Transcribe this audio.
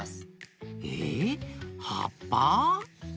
えはっぱ？